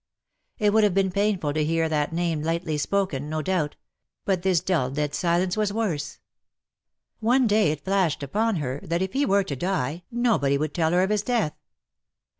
It would have been painful to her to hear that name lightly spoken, no doubt; but this dull dead silence was worse. One day it flashed upon her that if he were to die nobody would tell her of his death.